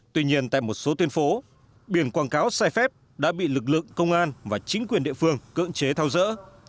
tuy nhiên tại một số tuyến phố biển quảng cáo sai phép đã bị lực lượng công an và chính quyền địa phương cưỡng chế tháo rỡ